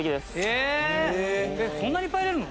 えっそんなにいっぱい入れるの？